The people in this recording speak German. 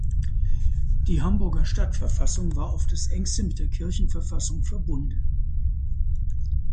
Die Hamburger Stadtverfassung war auf das engste mit der Kirchenverfassung verbunden.